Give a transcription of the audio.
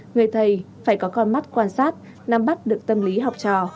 người thầy phải có con mắt quan sát nắm bắt được tâm lý học trò